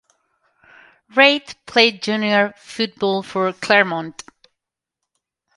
Reid played junior football for Claremont.